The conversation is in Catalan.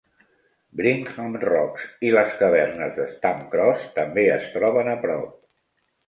Brimham Rocks i les cavernes de Stump Cross també es troben a prop.